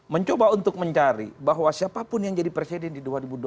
mencoba untuk mencari bahwa siapapun yang jadi presiden di dua ribu dua puluh